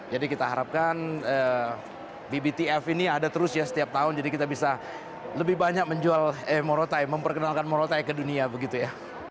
jadi kita harapkan bbtf ini ada terus ya setiap tahun jadi kita bisa lebih banyak menjual morotai memperkenalkan morotai ke dunia begitu ya